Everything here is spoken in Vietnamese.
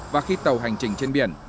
và khi tàu hành trình trên biển